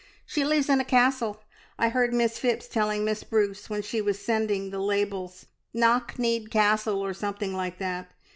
"She lives in a castle! I heard Miss Phipps telling Miss Bruce when she was sending the labels. `Knock kneed Castle,' or something like that.